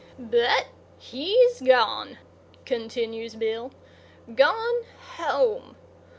"But he's gone"—continues Bill—"gone home.